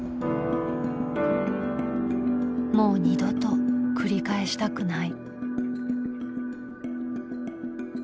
もう二度と繰り返したくない。